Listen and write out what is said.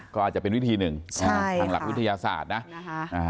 ก็อาจจะเป็นวิธีหนึ่งอันหลักวิทยาศาสตร์นะนะคะใช่ค่ะ